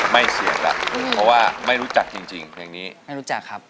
ไม่เสี่ยงแล้วเพราะว่าไม่รู้จักจริงเพลงนี้ไม่รู้จักครับ